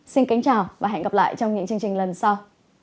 xin kính chào và hẹn gặp lại trong những chương trình lần sau